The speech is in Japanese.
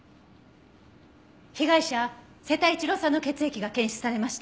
被害者瀬田一郎さんの血液が検出されました。